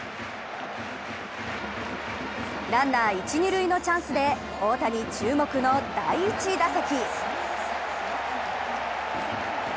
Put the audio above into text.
ランナー、一・二塁のチャンスで大谷注目の第１打席。